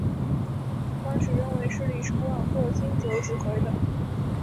当时认为是李承晚或金九指挥的。